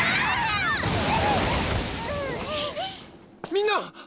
みんな！